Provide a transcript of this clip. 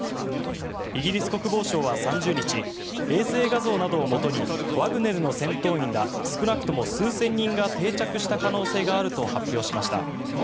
イギリス国防省は３０日衛星画像などをもとにワグネルの戦闘員ら少なくとも数千人が定着した可能性があると発表しました。